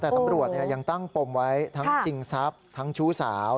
แต่ตำรวจยังตั้งปมไว้ทั้งชิงทรัพย์ทั้งชู้สาว